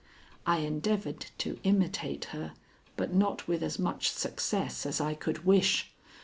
I endeavored to imitate her, but not with as much success as I could wish.